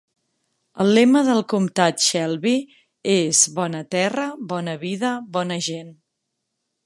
El lema del comtat Shelby és "Bona terra, bona vida, bona gent".